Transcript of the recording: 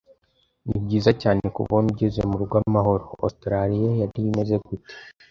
Nibyiza cyane kubona ugeze murugo amahoro. Australiya yari imeze gute?